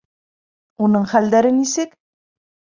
Уның хәлдәре нисек?